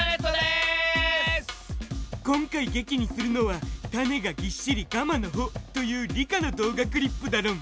今回劇にするのは「種がぎっしりガマの穂」という理科の動画クリップだろん！